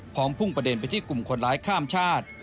พุ่งประเด็นไปที่กลุ่มคนร้ายข้ามชาติ